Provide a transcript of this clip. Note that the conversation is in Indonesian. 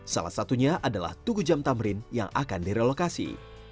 salah satunya adalah tugu jam tamrin yang akan direlokasi